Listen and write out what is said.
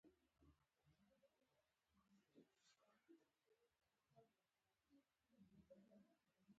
د هرچا په رپوټونو ډېر باور نه شي.